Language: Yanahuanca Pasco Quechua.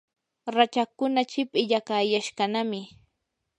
rachakkuna chip illaqayashqanami.